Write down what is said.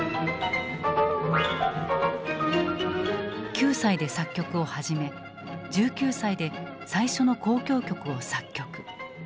９歳で作曲を始め１９歳で最初の交響曲を作曲。